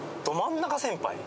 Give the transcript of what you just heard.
ど真ん中先輩？